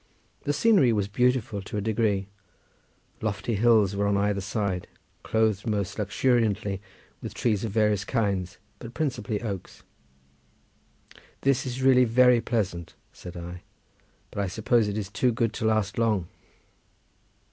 The scenery was beautiful to a degree, lofty hills were on either side clothed most luxuriantly with trees of various kinds, but principally oaks. "This is really very pleasant," said I, "but I suppose it is too good to last long."